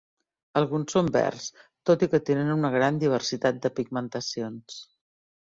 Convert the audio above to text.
Alguns són verds, tot i que tenen una gran diversitat de pigmentacions.